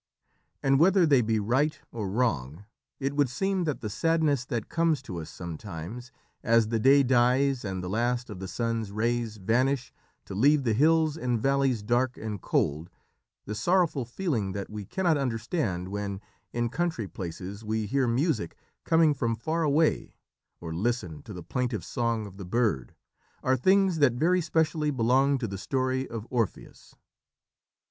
And, whether they be right or wrong, it would seem that the sadness that comes to us sometimes as the day dies and the last of the sun's rays vanish to leave the hills and valleys dark and cold, the sorrowful feeling that we cannot understand when, in country places, we hear music coming from far away, or listen to the plaintive song of the bird, are things that very specially belong to the story of Orpheus.